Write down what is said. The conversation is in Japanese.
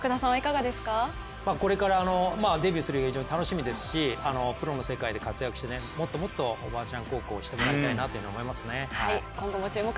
これからデビューするのが非常に楽しみですしプロの世界で活躍してもっともっとおばあちゃん孝行をしてもらいたいなと思いますね。